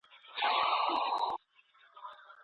بسونه بې سپرلیو نه وي.